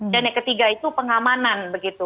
dan yang ketiga itu pengamanan begitu